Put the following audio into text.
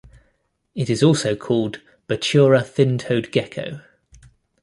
It is also called Batura thin-toed Gecko.